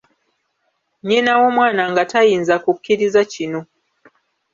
Nnyina w'omwana nga tayinza kukkiriza kino.